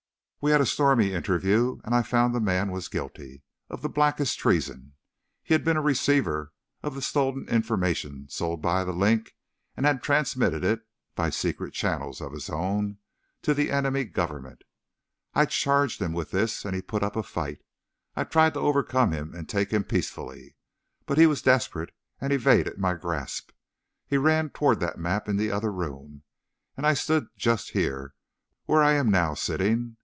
"We had a stormy interview, and I found the man was guilty of the blackest treason. He had been a receiver of the stolen information sold by 'The Link,' and had transmitted it, by secret channels of his own, to the enemy government. I charged him with this, and he put up a fight. I tried to overcome him, and take him peaceably, but he was desperate and evaded my grasp. He ran toward that map in the other room, and I stood just here, where I am now sitting.